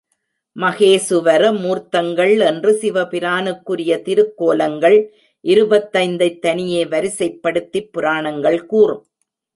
மாகேசுவர மூர்த்தங்கள் என்று சிவபிரானுக்குரிய திருக் கோலங்கள் இருபத்தைந்தைத் தனியே வரிசைப்படுத்திப் புராணங்கள் கூறும்.